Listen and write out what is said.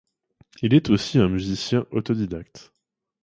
Il est aussi un musicien autodidacte.